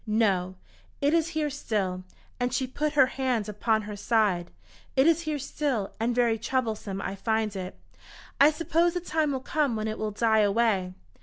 No, it is here still," and she put her hand upon her side. "It is here still, and very troublesome I find it. I suppose the time will come when it will die away.